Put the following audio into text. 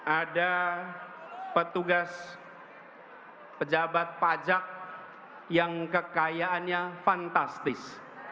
ada petugas pejabat pajak yang kekayaannya fantastis